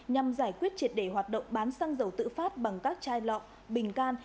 nhằm giải quyết triệt để hoạt động bán xăng dầu tự phát bằng các chai lọ bình can